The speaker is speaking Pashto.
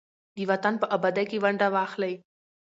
د وطن په ابادۍ کې ونډه واخلئ.